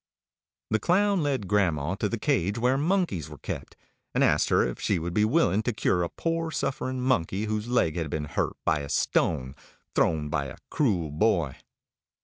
] The Clown led grandma to the cage where monkeys were kept, and asked her if she would be willing to cure a poor suffering monkey whose leg had been hurt by a stone thrown by a cruel boy.